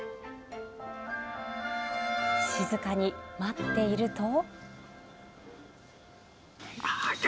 静かに待っていると。